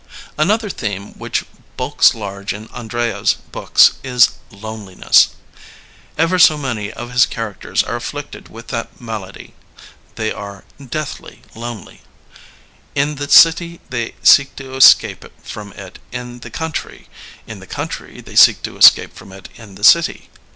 Another theme which bulks large in Andreyev's books is Loneliness. Ever so many of his characters are afflicted with that malady. They are deathly" lonely. In the city they seek to escape from it in the country ; in the country they seek to escape from it in the city.